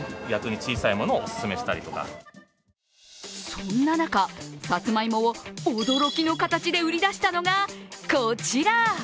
そんな中、さつまいもを驚きの形で売り出したのがこちら。